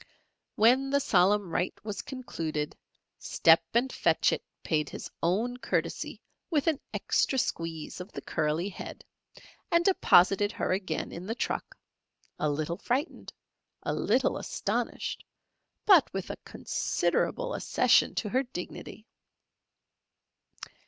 When the solemn rite was concluded, Step and Fetch It paid his own courtesy with an extra squeeze of the curly head, and deposited her again in the truck a little frightened, a little astonished, but with a considerable accession to her dignity.